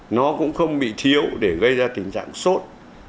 nó cũng không bị thiếu để gây ra tình trạng sốt